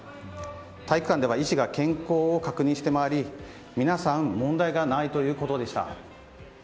体育館では医師が健康を確認して回り皆さん、問題がないということでした。